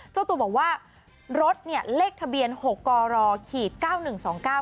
เจ้าตัวบอกว่ารถเนี่ยเลขทะเบียนหกกรขีดเก้าหนึ่งสองเก้า